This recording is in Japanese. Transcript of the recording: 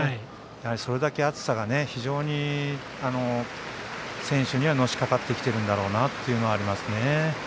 それだけ暑さが非常に選手にはのしかかってきているんだなというのはありますよね。